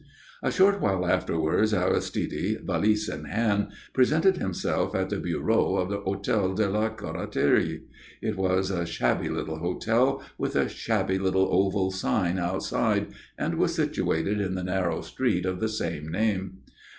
A short while afterwards Aristide, valise in hand, presented himself at the bureau of the Hôtel de la Curatterie. It was a shabby little hotel, with a shabby little oval sign outside, and was situated in the narrow street of the same name.